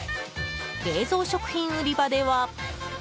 冷蔵食品売り場では。